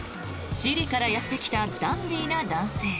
チリからやってきたダンディーな男性。